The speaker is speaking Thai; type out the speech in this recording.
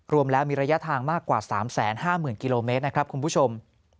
รวมแล้วมีระยะทางมากกว่า๓๕๐๐๐กิโลเมตรนะครับคุณผู้ชม